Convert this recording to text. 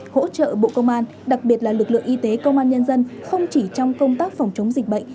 hỗ trợ bộ công an đặc biệt là lực lượng y tế công an nhân dân không chỉ trong công tác phòng chống dịch bệnh